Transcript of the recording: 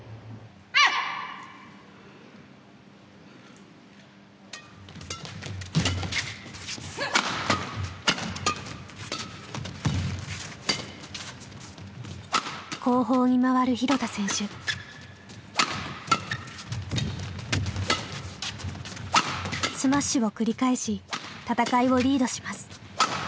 スマッシュを繰り返し戦いをリードします。